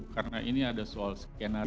karena ini ada soal skenario